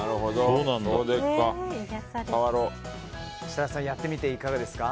設楽さん、やってみていかがですか。